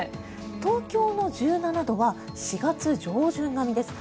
東京の１７度は４月上旬並みです。